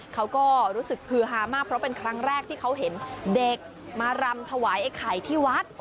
เขาก็รู้สึกคือฮามากเพราะเป็นครั้งแรกที่เขาเห็นเด็กมารำถวายไอ้ไข่ที่วัด